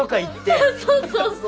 ああそうそうそう。